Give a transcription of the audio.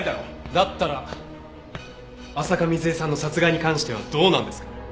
だったら浅香水絵さんの殺害に関してはどうなんですか？